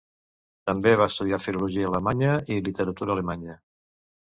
També va estudiar Filologia Alemanya i Literatura Alemanya.